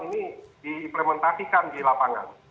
ini diimplementasikan di lapangan